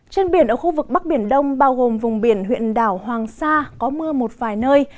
trên biển ở khu vực bắc biển đông bao gồm vùng biển huyện đảo hoàng sa có mưa một vài nơi